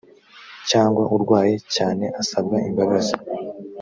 cyangwa urwaye cyane asabwa imbabazi